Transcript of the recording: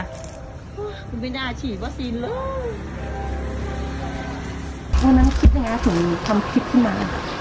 ไม่น่าฉีดประสิทธิ์เลยวันนั้นคิดยังไงถึงทำคลิปขึ้นมา